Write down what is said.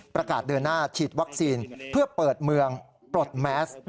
ประกาศเดินหน้าฉีดวัคซีนเพื่อเปิดเมืองปลดแมส